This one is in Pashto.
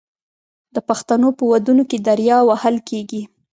د پښتنو په ودونو کې دریا وهل کیږي.